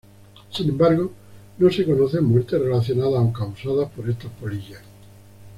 Sin embargo, no se conocen muertes relacionadas o causadas por estas polillas.